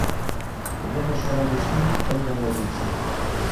У нього що на душі — те й на язиці.